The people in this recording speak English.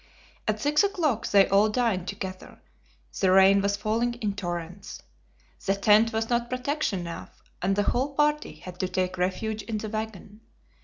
At six o'clock they all dined together. The rain was falling in torrents. The tent was not protection enough, and the whole party had to take refuge in the wagon.